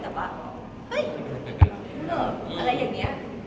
แต่ว่าเฮ้ยอะไรอย่างนี้